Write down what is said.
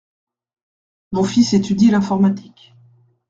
Mon fils étudie l’informatique.